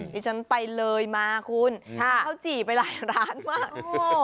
ดิฉันไปเลยมาคุณทานข้าวจี่ไปหลายร้านมาก